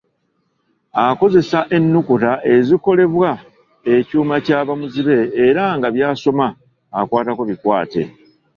Akozesa ennukuta ezikolebwa ekyuma kya bamuzibe era nga by'asoma akwatako bikwate.